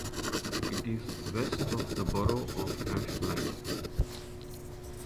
It is west of the borough of Ashland.